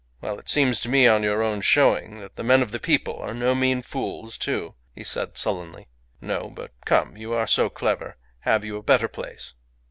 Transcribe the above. "Well! It seems to me on your own showing that the men of the people are no mean fools, too," he said, sullenly. "No, but come. You are so clever. Have you a better place?"